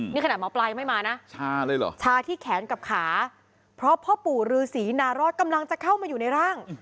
นี่ขนาดหมอปลายไม่มานะชาเลยเหรอชาที่แขนกับขาเพราะพ่อปู่ฤษีนารอดกำลังจะเข้ามาอยู่ในร่าง